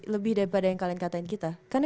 lebih daripada yang kalian katakan kita